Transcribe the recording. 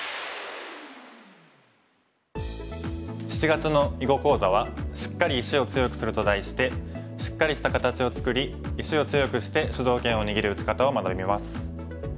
７月の囲碁講座は「シッカリ石を強くする」と題してシッカリした形を作り石を強くして主導権を握る打ち方を学びます。